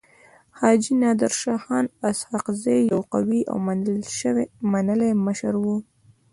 حاجي نادر شاه خان اسحق زی يو قوي او منلی مشر وو.